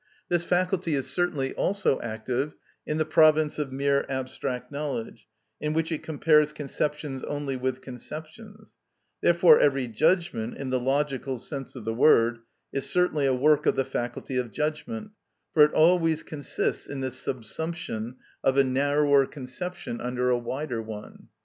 This faculty is certainly also active in the province of mere abstract knowledge, in which it compares conceptions only with conceptions; therefore every judgment, in the logical sense of the word, is certainly a work of the faculty of judgment, for it always consists in the subsumption of a narrower conception under a wider one.